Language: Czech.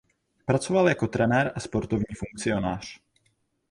Pracoval jako trenér a sportovní funkcionář.